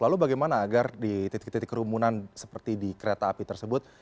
lalu bagaimana agar di titik titik kerumunan seperti di kereta api tersebut